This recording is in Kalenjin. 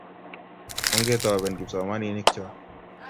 ongetoben kipsomaninik cho.